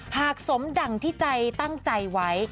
สมดั่งที่ใจตั้งใจไว้